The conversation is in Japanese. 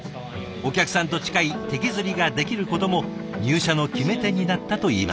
お客さんと近い手削りができることも入社の決め手になったといいます。